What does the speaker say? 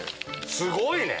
すごいね。